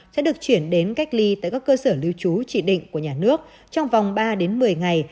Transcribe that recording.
sẽ được chuyển đến cách ly tại các cơ sở lưu trú chỉ định của nhà nước trong vòng ba đến một mươi ngày